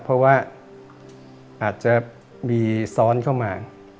เพราะว่าอาจจะมีซ้อนเข้ามา